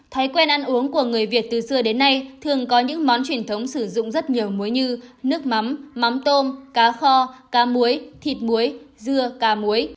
thói quen ăn uống của người việt từ xưa đến nay thường có những món truyền thống sử dụng rất nhiều muối như nước mắm mắm tôm cá kho cá muối thịt muối dưa cá muối